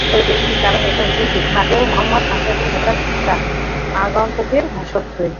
তবে পরিস্থিতির কারণে এখন ক্রিকেট মাঠেও মোহাম্মদ আশরাফুল হঠাৎ আসা আগন্তুকের মতোই।